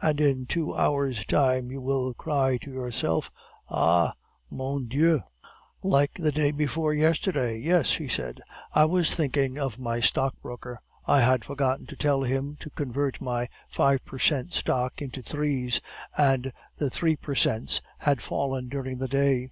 "'And in two hours' time you will cry to yourself, Ah, mon Dieu!' "'Like the day before yesterday! Yes,' she said, 'I was thinking of my stockbroker; I had forgotten to tell him to convert my five per cent stock into threes, and the three per cents had fallen during the day.